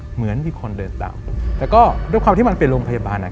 เหมือนมีคนเดินตามแต่ก็ด้วยความที่มันเป็นโรงพยาบาลอ่ะ